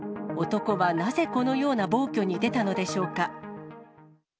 男はなぜこのような暴挙に出たのでしょうか。